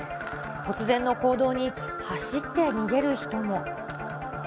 突然の行動に、走って逃げる人も。